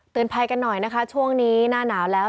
เตือนภัยกันหน่อยช่วงนี้หน้าหนาวแล้ว